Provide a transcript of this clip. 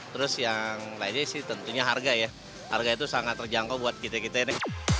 terus yang lainnya sih tentunya harga ya harga itu sangat terjangkau buat kita kita ini